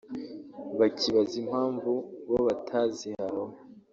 bakibaza impamvu bo batazihawe